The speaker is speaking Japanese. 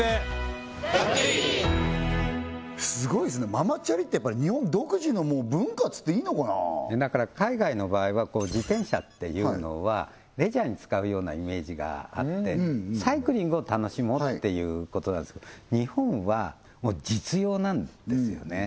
ママチャリって日本独自のもう文化っつっていいのかな海外の場合は自転車っていうのはレジャーに使うようなイメージがあってサイクリングを楽しもうっていうことなんですけど日本はもう実用なんですよね